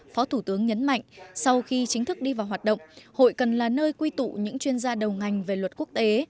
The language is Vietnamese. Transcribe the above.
phó thủ tướng nhấn mạnh sau khi chính thức đi vào hoạt động hội cần là nơi quy tụ những chuyên gia đầu ngành về luật quốc tế